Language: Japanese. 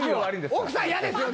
奥さん嫌ですよね。